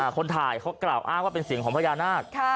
คนถ่ายเขากล่าวอ้างว่าเป็นเสียงของพญานาค